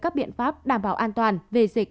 các biện pháp đảm bảo an toàn về dịch